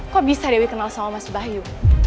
kok bisa dewi kenal sama mas bayu